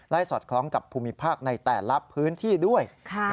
สอดคล้องกับภูมิภาคในแต่ละพื้นที่ด้วย